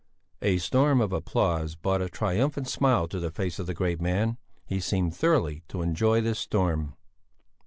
A storm of applause brought a triumphant smile to the face of the great man; he seemed thoroughly to enjoy this storm.